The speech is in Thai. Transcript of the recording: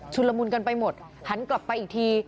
ละมุนกันไปหมดหันกลับไปอีกที